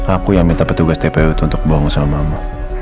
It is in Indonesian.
aku yang minta petugas tpu untuk bohong sama mama